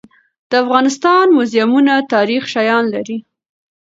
د افغانستان موزیمونه تاریخي شیان لري.